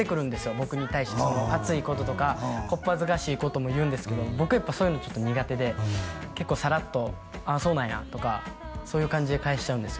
僕に対して熱いこととかこっ恥ずかしいことも言うんですけど僕やっぱそういうのちょっと苦手で結構さらっとああそうなんやとかそういう感じで返しちゃうんです